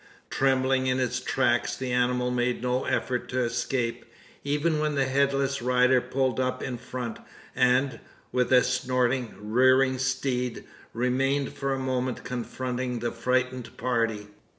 Trembling in its tracks, the animal made no effort to escape; even when the headless rider pulled up in front, and, with a snorting, rearing steed, remained for a moment confronting the frightened party.